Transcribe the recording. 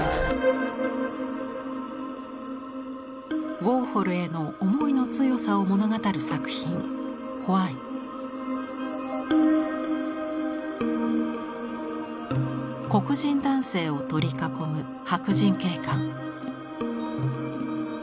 ウォーホルへの思いの強さを物語る作品黒人男性を取り囲む白人警官。